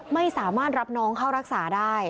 ไม่สามารถรับน้องเข้ารักษาได้